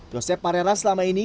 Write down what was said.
yosep parera selama ini